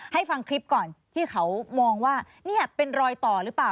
ให้ฟังคลิปก่อนที่เขามองว่านี่เป็นรอยต่อหรือเปล่า